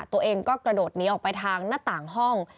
ตัวเองก็กระโดดหนีออกไปทางหน้าต่างห้อง